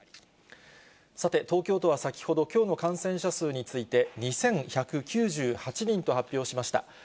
さて、東京都は先ほど、きょうの感染者数について、２１９８人と発表しました。